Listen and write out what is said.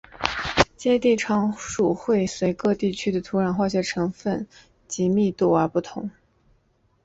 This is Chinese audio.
接地常数会随各地区的土壤化学成份以及密度而不同。